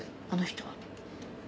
あの人は。